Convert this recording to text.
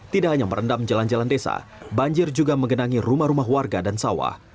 tidak hanya merendam jalan jalan desa banjir juga menggenangi rumah rumah warga dan sawah